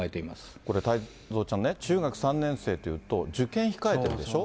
これ太蔵ちゃんね、中学３年生というと受験控えてるでしょ。